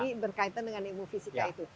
ini berkaitan dengan ilmu fisika itu